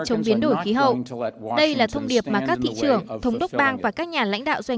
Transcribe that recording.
chống biến đổi khí hậu đây là thông điệp mà các thị trưởng thống đốc bang và các nhà lãnh đạo doanh